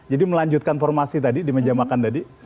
jadi melanjutkan formasi tadi di menjamakan tadi